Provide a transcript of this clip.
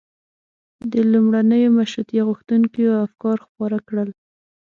د لومړنیو مشروطیه غوښتونکيو افکار خپاره کړل.